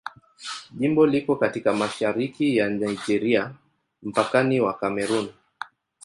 Jimbo liko katika mashariki ya Nigeria, mpakani wa Kamerun.